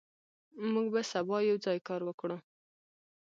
موږ به سبا یوځای کار وکړو.